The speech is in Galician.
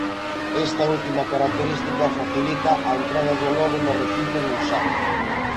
Esta última característica facilita a entrada do lobo no recinto dun salto.